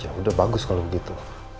ya udah bagus kalau begitu